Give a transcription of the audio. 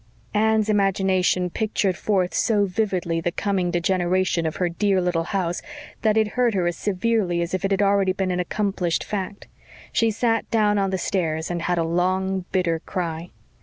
Anne's imagination pictured forth so vividly the coming degeneration of her dear little house that it hurt her as severely as if it had already been an accomplished fact. She sat down on the stairs and had a long, bitter cry.